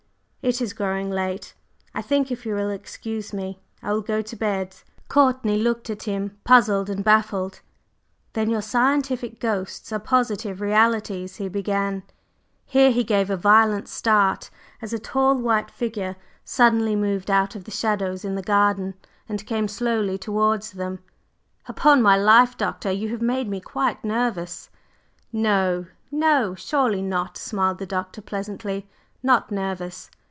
It is growing late; I think, if you will excuse me, I will go to bed." Courtney looked at him puzzled and baffled. "Then your 'scientific ghosts' are positive realities?" he began; here he gave a violent start as a tall white figure suddenly moved out of the shadows in the garden and came slowly towards them. "Upon my life, Doctor, you have made me quite nervous!" "No, no, surely not," smiled the Doctor pleasantly "not nervous!